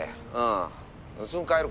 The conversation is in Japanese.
すぐ帰るから。